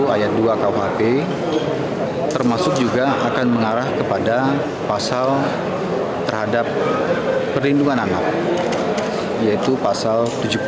tiga ratus tiga puluh ayat dua khp termasuk juga akan mengarah kepada pasal terhadap perlindungan anak yaitu pasal tujuh puluh enam